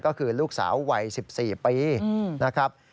ก็คือลูกสาววัย๑๔ปีนะครับ